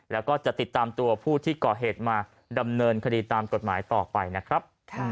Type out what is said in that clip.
แล้วก็จะติดตามตัวผู้ที่ก่อเหตุมาดำเนินคดีตามกฎหมายต่อไปนะครับ